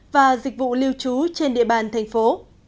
và dịch vụ lưu trú trên địa bàn thành phố